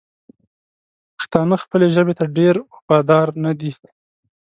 پښتانه خپلې ژبې ته ډېر وفادار ندي!